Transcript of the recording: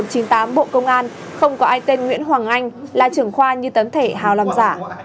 công an không có ai tên nguyễn hoàng anh là trưởng khoa như tấm thể hào làm giả